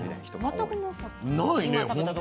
全くなかった。